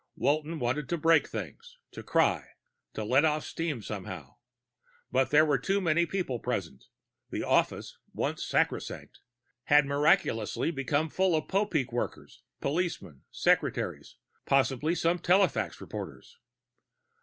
Walton wanted to break things, to cry, to let off steam somehow. But there were too many people present; the office, once sacrosanct, had miraculously become full of Popeek workers, policemen, secretaries, possibly some telefax reporters.